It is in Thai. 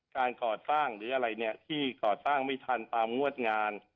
การก่อสร้างหรืออะไรเนี่ยที่ก่อสร้างไม่ทันตามงวดงาน